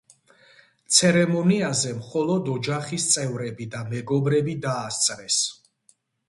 ცერემონიაზე მხოლოდ ოჯახის წევრები და მეგობრები დაასწრეს.